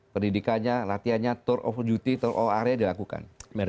pendidikannya latihannya tour of duty tour of area dilakukan